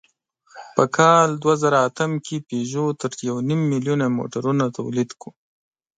په کال دوهزرهاتم کې پيژو تر یونیم میلیونه موټرونه تولید کړل.